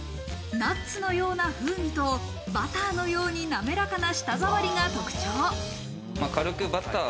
ナッツのような風味とバターのように滑らかな舌ざわりが特徴。